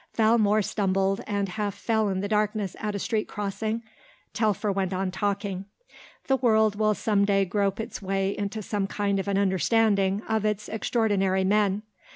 Valmore stumbled and half fell in the darkness at a street crossing. Telfer went on talking. "The world will some day grope its way into some kind of an understanding of its extraordinary men.